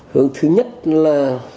hướng thứ nhất là